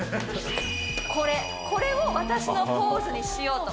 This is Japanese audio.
これ、これを私のポーズにしようと。